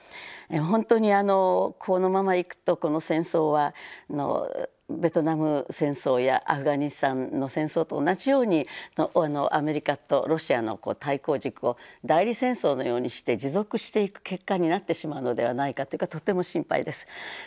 本当にこのままいくとこの戦争はベトナム戦争やアフガニスタンの戦争と同じようにアメリカとロシアの対抗軸を代理戦争のようにして持続していく結果になってしまうのではないかとても心配です。